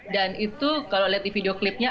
dan itu kalau lihat di video klipnya